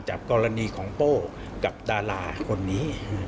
กรณีของโป้กับดาราคนนี้